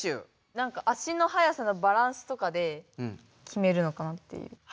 なんか足のはやさのバランスとかで決めるのかなっていう。